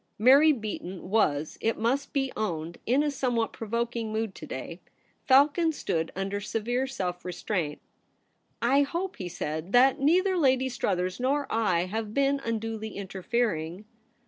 Mary Beaton was, it must be owned, in a somewhat provoking mood to day. Falcon stood under severe self restraint. * I hope,' he said, ' that neither Lady Struthers nor I have been unduly inter fering.'